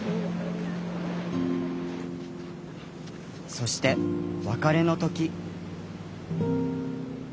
そして別れの時。